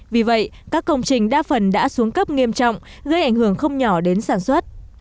vì vậy các công trình đa phần đã xuống cấp nghiêm trọng gây ảnh hưởng không nhỏ đến sản xuất